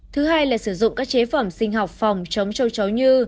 thứ hai là sử dụng các chế phẩm sinh học phòng chống châu chấu như